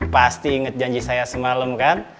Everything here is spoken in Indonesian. pasti inget janji saya semalam kan